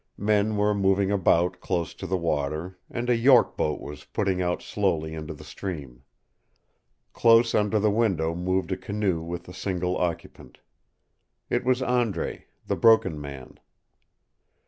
Men were moving about close to the water, and a York boat was putting out slowly into the stream. Close under the window moved a canoe with a single occupant. It was Andre, the Broken Man.